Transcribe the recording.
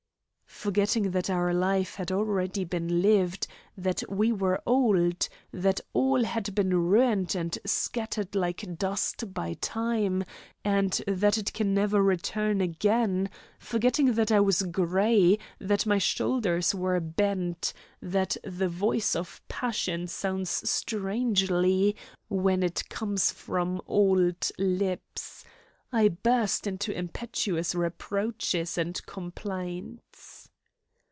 Forgetting that our life had already been lived, that we were old, that all had been ruined and scattered like dust by Time, and that it can never return again; forgetting that I was grey, that my shoulders were bent, that the voice of passion sounds strangely when it comes from old lips I burst into impetuous reproaches and complaints.